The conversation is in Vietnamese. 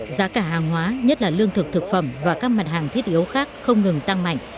giá cả hàng hóa nhất là lương thực thực phẩm và các mặt hàng thiết yếu khác không ngừng tăng mạnh